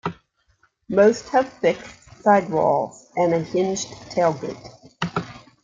Most have fixed side walls and a hinged tailgate.